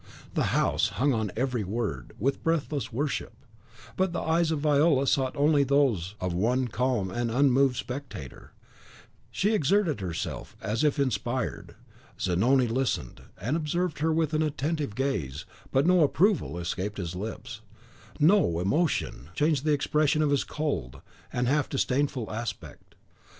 The house hung on every word with breathless worship; but the eyes of Viola sought only those of one calm and unmoved spectator; she exerted herself as if inspired. Zanoni listened, and observed her with an attentive gaze, but no approval escaped his lips; no emotion changed the expression of his cold and half disdainful aspect.